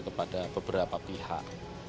kepada beberapa pihak